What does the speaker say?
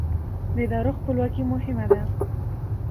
د ادارو خپلواکي مهمه ده